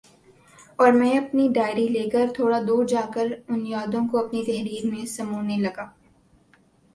اور میں اپنی ڈائری لے کر تھوڑا دور جا کر ان یادوں کو اپنی تحریر میں سمونے لگا